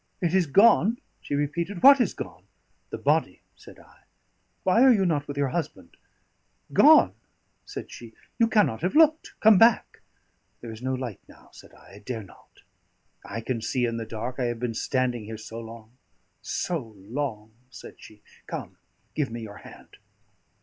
"It is gone!" she repeated. "What is gone?" "The body," said I. "Why are you not with your husband?" "Gone?" said she. "You cannot have looked. Come back." "There is no light now," said I. "I dare not." "I can see in the dark. I have been standing here so long so long," said she. "Come, give me your hand."